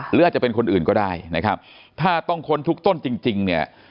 หรืออาจจะเป็นคนอื่นก็ได้นะครับถ้าต้องค้นทุกต้นจริงจริงเนี่ย